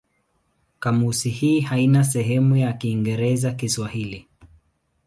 Kamusi hii haina sehemu ya Kiingereza-Kiswahili.